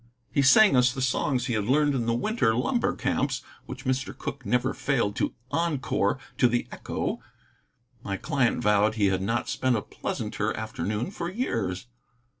He sang us the songs he had learned in the winter lumber camps, which Mr. Cooke never failed to encore to the echo. My client vowed he had not spent a pleasanter afternoon for years.